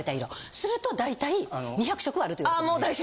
すると大体２００色はあるということです！